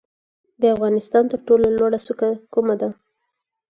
د افغانستان تر ټولو لوړه څوکه کومه ده؟